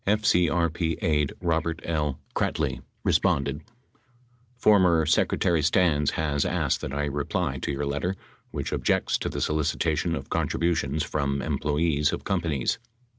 FCRP aide Robert L. Krattli responded : Former Secretary Stans has asked that I reply to your letter which objects to the solicitation of contributions from employees of companies.